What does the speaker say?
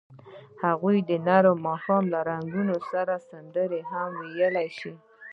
هغوی د نرم ماښام له رنګونو سره سندرې هم ویلې.